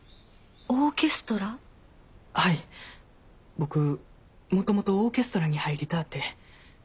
僕もともとオーケストラに入りたぁて。